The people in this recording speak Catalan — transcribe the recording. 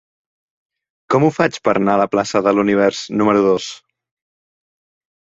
Com ho faig per anar a la plaça de l'Univers número dos?